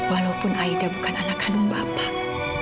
walaupun aida bukan anak kandung bapak